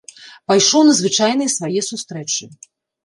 Пайшоў на звычайныя свае сустрэчы.